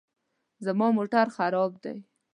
زما موټر خراب دی